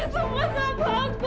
ini semua sabar aku